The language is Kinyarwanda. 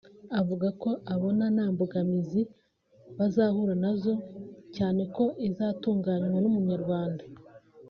avuga ko abona nta mbogamizi bazahura nazo cyane ko izatunganywa n’umunyarwanda